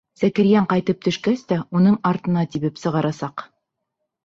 Зәкирйән ҡайтып төшәсәк тә уның артына тибеп сығарасаҡ!